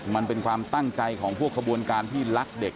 มันเป็นความตั้งใจของพวกขบวนการที่รักเด็ก